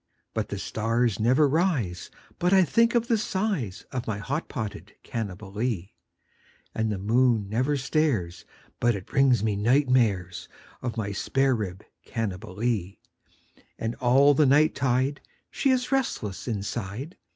But the stars never rise but I think of the size Of my hot potted Cannibalee, And the moon never stares but it brings me night mares Of my spare rib Cannibalee; And all the night tide she is restless inside.